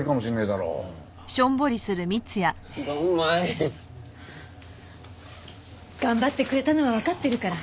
ドンマイ！頑張ってくれたのはわかってるから。